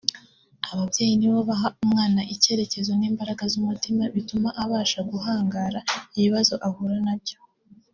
ababyeyi ni bo baha umwana icyerekezo n’imbaraga z’umutima bituma abasha guhangara ibibazo ahura na byo”